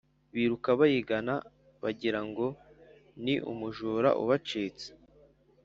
biruka bayigana bagira ngo ni umujura ubacitse